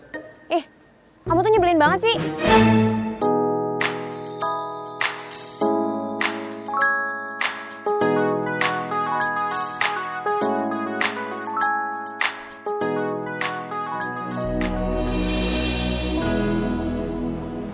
eh kamu tuh nyebelin banget sih